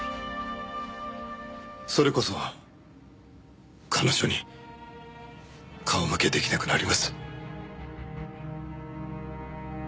それこそ彼女に顔向けできなくなります。